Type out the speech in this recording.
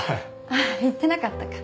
あっ言ってなかったか。